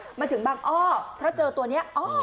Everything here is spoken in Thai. สุดท้ายมันถึงบังอ้อเพราะเจอตัวเนี้ยอ้อ